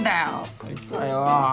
そいつはよぉ。